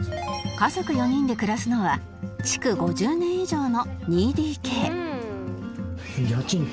家族４人で暮らすのは築５０年以上の ２ＤＫ家賃って。